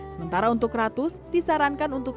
sementara untuk ratus disarankan untuk